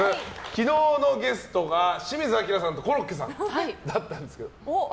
昨日のゲストが清水アキラさんとコロッケさんだったんです。